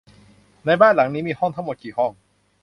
ในบ้านหลังนี้มีห้องทั้งหมดกี่ห้อง ?